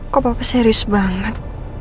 kok papa serius banget